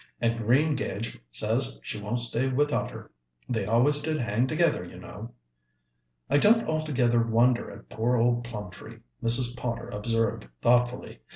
And Greengage says she won't stay without her. They always did hang together, you know." "I don't altogether wonder at poor old Plumtree," Mrs. Potter observed thoughtfully.